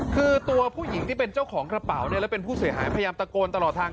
คือตัวผู้หญิงที่เป็นเจ้าของกระเป๋าเนี่ยแล้วเป็นผู้เสียหายพยายามตะโกนตลอดทาง